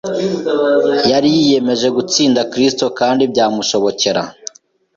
Yari yiyemeje gutsinda Kristo kandi, byamushobokera,